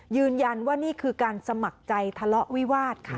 ยืนยันว่านี่คือการสมัครใจทะเลาะวิวาสค่ะ